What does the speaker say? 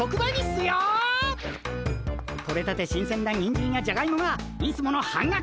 取れたて新鮮なにんじんやじゃがいもがいつもの半額！